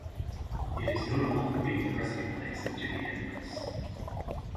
It is notable for being the resting place of Jimi Hendrix.